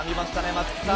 松木さん。